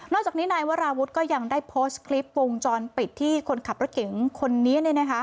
จากนี้นายวราวุฒิก็ยังได้โพสต์คลิปวงจรปิดที่คนขับรถเก๋งคนนี้